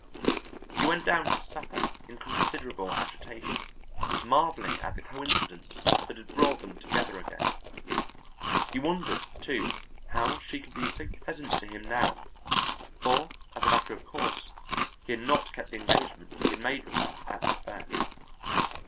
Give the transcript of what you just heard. He went down to supper in considerable agitation, marvelling at the coincidence that had brought them together again. He wondered, too, how she could be so pleasant to him now, for as a matter of course he had not kept the engagement he had made with her at the Fair.